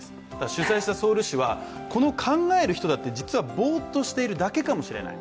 主催したソウル市は、この考える人だって、実はぼーっとしているだけかもしれない。